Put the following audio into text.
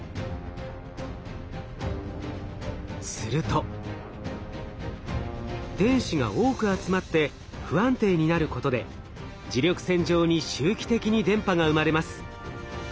すると電子が多く集まって不安定になることで磁力線上に周期的に電波が生まれます。